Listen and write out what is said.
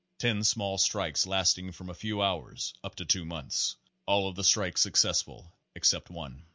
Ten small strikes lasting from a few hours up to two months. All of the strikes successful except one.